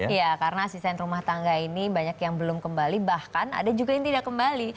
iya karena asisten rumah tangga ini banyak yang belum kembali bahkan ada juga yang tidak kembali